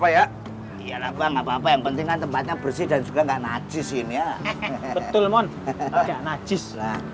ya lah bang apa yang penting tempatnya bersih dan juga enggak najis ini betul mon aja najis